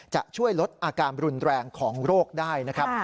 จะช่วยลดอาการรุนแรงของโรคได้นะครับ